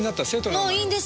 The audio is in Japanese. もういいんです！